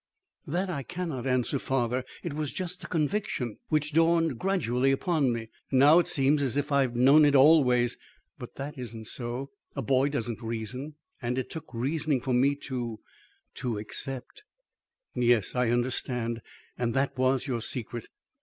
"That I cannot answer, father; it was just a conviction which dawned gradually upon me. Now, it seems as if I had known it always; but that isn't so. A boy doesn't reason; and it took reasoning for me to to accept " "Yes, I understand. And that was your secret!